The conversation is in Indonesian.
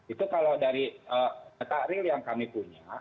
itu kalau dari data real yang kami punya